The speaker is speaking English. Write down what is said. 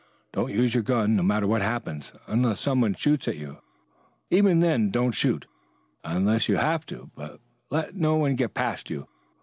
Don't use your gun, no matter what happens, unless some one shoots at you. Even then don't shoot unless you have to. But let no one get past you.